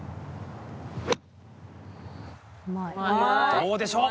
どうでしょう？